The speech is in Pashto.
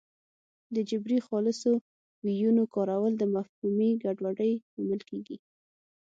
د جبري خالصو ویونو کارول د مفهومي ګډوډۍ لامل کېږي